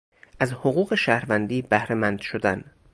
از حقوق شهروندی بهره مند شدن